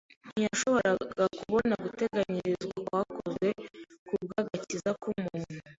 ntiyashoboraga kubonamo uguteganirizwa kwakozwe ku bw’agakiza ka muntu.